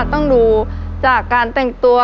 ต้องดูจากการแต่งตัว